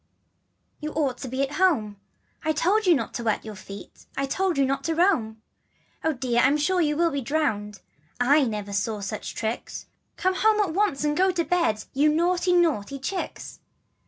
L rJ You ought to be at home; I told you not to wet your feet I told you not to roam. " Oh, dear ! I'm sure you will be drowned 1 /"never saw such tricks Come home at once, and go to bed, You naughty naughty chicks.